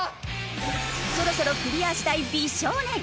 そろそろクリアしたい美少年。